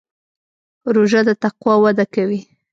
روژه د تقوا وده کوي.